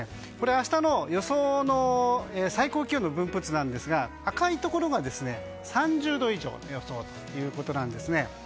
これ、明日の予想の最高気温の分布図なんですが赤いところが３０度以上の予想ということなんですね。